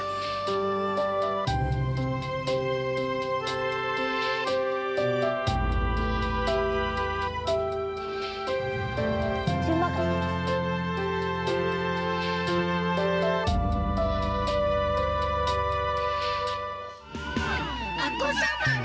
remajan ceh nasi quran